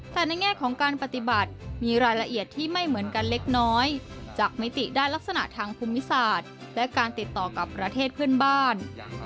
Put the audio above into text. แต่ในแง่ของการปฏิบัติมีรายละเอียดที่ไม่เหมือนกันเล็กน้อยจากมิติด้านลักษณะทางภูมิศาสตร์และการติดต่อกับประเทศเพื่อนบ้าน